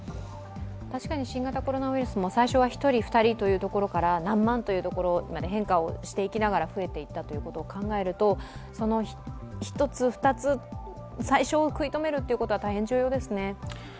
確かに新型コロナウイルスも最初は１人、２人というところから何万というところまで変化していきながら増えていったということを考えていくと、１つ、２つ、最少を食い止めるというのは重要ですね。